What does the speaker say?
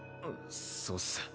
そそうっす。